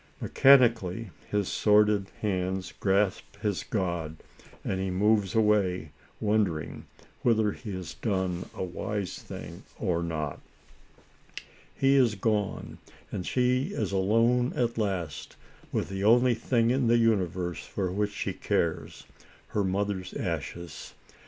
Mechanically his sordid hands grasp his god, and he moves away, wondering whether he has done a wise thing or not. He is gone, and she is alone at last, with the only thing in the universe for which she cares — her mother's ashes.